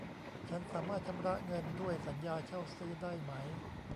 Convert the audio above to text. ฉันสามารถชำระเงินด้วยสัญญาเช่าซื้อได้ไหม